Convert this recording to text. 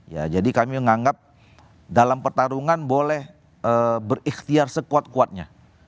ya jadi kami menganggap dalam pertarungan boleh berikhtiar sekuat kuatnya